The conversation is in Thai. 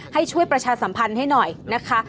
ให้ช่วยประชาสัมพันธ์ให้หน่อยนะคะ